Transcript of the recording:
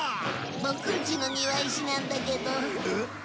ボクんちの庭石なんだけど。